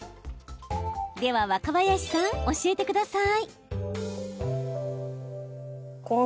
では若林さん、教えてください。